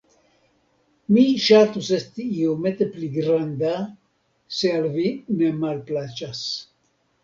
mi ŝatus esti iomete pli granda, se al vi ne malplaĉas.